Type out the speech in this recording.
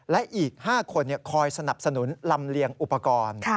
และอีก๕คนคอยสนับสนุนลำเลียงอุปกรณ์